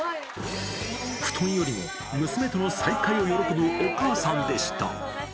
布団よりも、娘との再会を喜ぶお母さんでした。